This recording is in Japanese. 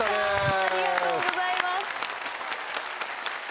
ありがとうございます。